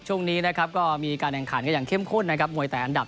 ช่วงนี้นะครับก็มีการแข่งขันกันอย่างเข้มข้นนะครับมวยแต่อันดับ